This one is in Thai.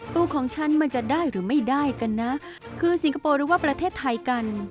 ตู้ของฉันมันจะได้หรือไม่ได้กันนะคือสิงคโปร์หรือว่าประเทศไทยกัน